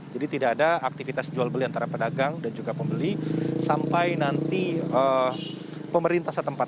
jadi tidak ada aktivitas jual beli antara pedagang dan juga pembeli sampai nanti pemerintah setempat